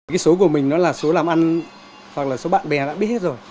cái số của mình nó là số làm ăn hoặc là số bạn bè đã biết hết rồi